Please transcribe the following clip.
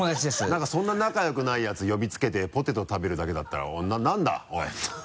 何かそんな仲良くないやつ呼びつけてポテト食べるだけだったら「なんだ？おい」と。